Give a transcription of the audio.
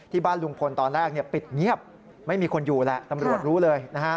ที่บ้านลุงพลตอนแรกปิดเงียบไม่มีคนอยู่แหละตำรวจรู้เลย